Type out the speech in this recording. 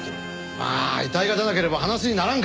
まあ遺体が出なければ話にならんからな。